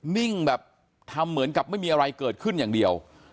นิ่งแบบทำเหมือนกับไม่มีอะไรเกิดขึ้นอย่างเดียว